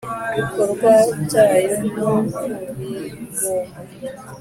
Bikorwa byayo no ku bigomba